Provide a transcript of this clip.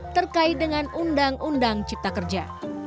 terkait dengan undang undang cipta kerja